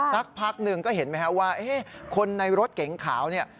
สักพักหนึ่งก็เห็นไหมครับว่าคนในรถเก๋งขาวเนี่ย